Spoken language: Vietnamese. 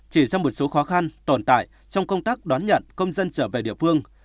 chỉ ra một số khó khăn tồn tại trong công tác đón nhận công dân trở về địa phương